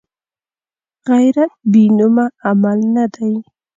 غیرت بېنومه عمل نه دی